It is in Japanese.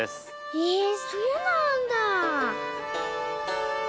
へえそうなんだあ！